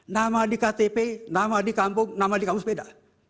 nama di ktp nama di kampus beda